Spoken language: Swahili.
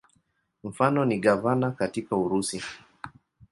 Mfano ni gavana katika Urusi.